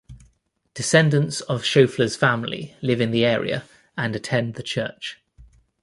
Descendants of Schoeffler's family live in the area and attend the church.